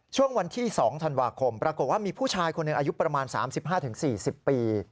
ช่วงวันที่๒ธันวาคมปรากฏว่ามีผู้ชายคนหนึ่งอายุประมาณ๓๕๔๐ปี